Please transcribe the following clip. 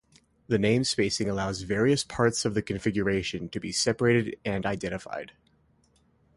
The name-spacing allows various parts of the configuration to be separated and identified.